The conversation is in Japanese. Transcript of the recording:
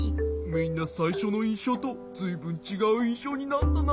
みんなさいしょのいんしょうとずいぶんちがういんしょうになったな。